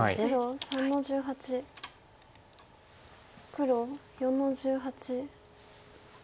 黒４の十八。